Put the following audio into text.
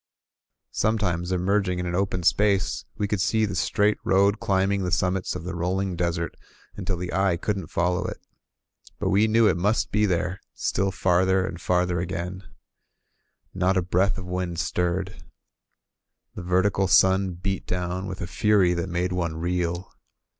Some times emerging in an open space, we could see the straight road climbing the summits of the rolling desert, until the eye couldn't follow it ; but we knew it must be there, still farther and farther again. Not a 54! "QUIEN VIVE?" breath of wind stirred. The vertical sun beat down with a fury that made one reel.